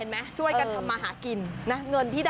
เห็นไหมช่วยกันถ้ำมาหากิน